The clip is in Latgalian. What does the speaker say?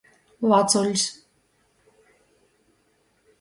Vacuļs.